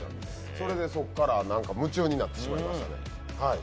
それで、そこから夢中になってしまいました。